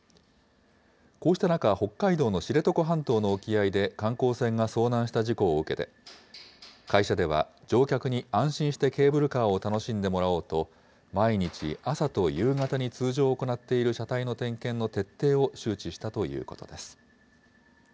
こうした中、北海道の知床半島の沖合で観光船が遭難した事故を受けて、会社では、乗客に安心してケーブルカーを楽しんでもらおうと、毎日朝と夕方に通常行っている車体の点検の徹底を周知したということです。